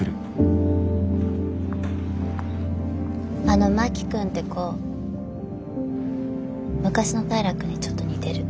あの真木君って子昔の平君にちょっと似てる。